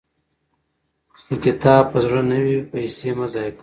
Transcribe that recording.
که کتاب په زړه نه وي، پیسې مه ضایع کوئ.